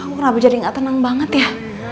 kenapa jadi gak tenang banget ya